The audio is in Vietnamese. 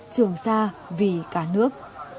trường sa vì cả nước